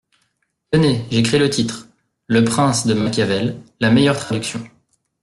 Tenez, j’écris le titre : le Prince , de Machiavel, la meilleure traduction.